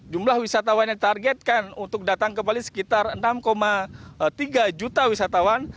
jumlah wisatawan yang ditargetkan untuk datang ke bali sekitar enam tiga juta wisatawan